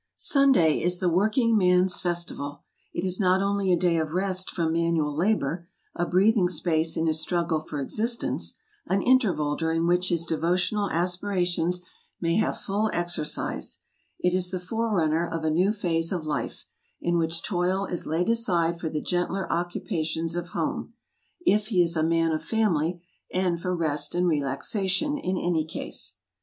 Sunday is the workingman's festival. It is not only a day of rest from manual labor, a breathing space in his struggle for existence, an interval during which his devotional aspirations may have full exercise; it is the forerunner of a new phase of life, in which toil is laid aside for the gentler occupations of home, if he is a man of family, and for rest and relaxation in any case.